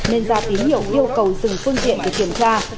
nên ra tín hiệu yêu cầu dừng phương tiện để kiểm tra